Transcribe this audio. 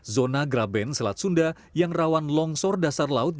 zona graben selat sunda yang rawan longsor dasar laut